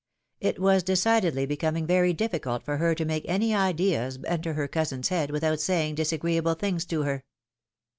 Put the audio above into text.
It was decidedly becoming very difficult for her to make any ideas enter her cousin's head without saying disagree able things to her.